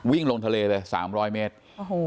วิ่งลงทะเลเลย๓๐๐เมตร